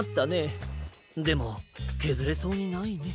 でもけずれそうにないね。